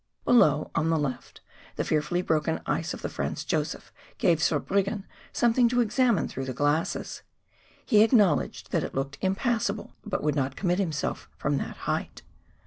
Below, on the left, the fearfully broken ice of the Franz Josef gave Zurbriggen something to examine through the glasses ; he acknowledged that it looked impassable, but would not commit himself from that height.